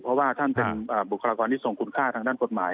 เพราะว่าท่านเป็นบุคลากรที่ส่งคุณค่าทางด้านกฎหมาย